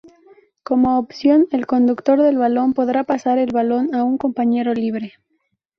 Como opción, el conductor del balón podrá pasar el balón a un compañero libre.